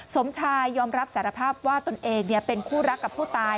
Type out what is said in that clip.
สมชายยอมรับสารภาพว่าตนเองเป็นคู่รักกับผู้ตาย